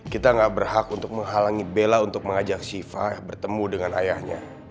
kita gak berhak untuk menghalangi bela untuk mengajak shiva bertemu dengan ayahnya